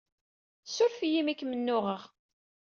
Ssuref-iyi imi ay kem-nnuɣeɣ.